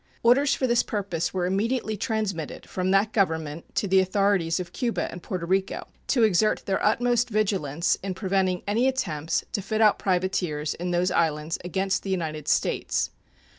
Orders for this purpose were immediately transmitted from that Government to the authorities of Cuba and Porto Rico to exert their utmost vigilance in preventing any attempts to fit out privateers in those islands against the United States.